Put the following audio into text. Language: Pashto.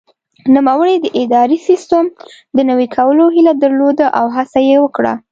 نوموړي د اداري سیسټم د نوي کولو هیله درلوده او هڅه یې وکړه.